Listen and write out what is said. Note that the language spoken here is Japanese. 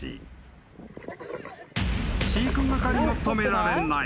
［飼育係も止められない］